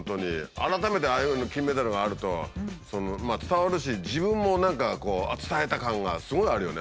改めてああいうふうに金メダルがあると伝わるし自分も何かこう伝えた感がすごいあるよね。